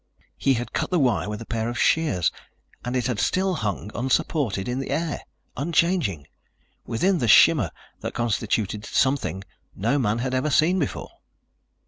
He had cut the wire with a pair of shears and it had still hung, unsupported, in the air, unchanging within the shimmer that constituted something no man had ever seen before.